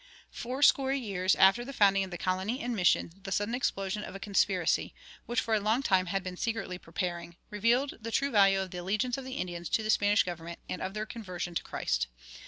Fourscore years after the founding of the colony and mission the sudden explosion of a conspiracy, which for a long time had been secretly preparing, revealed the true value of the allegiance of the Indians to the Spanish government and of their conversion to Christ.